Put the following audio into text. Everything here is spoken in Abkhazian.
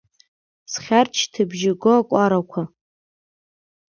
Зхьарч-шьҭыбжь го акәарақәа…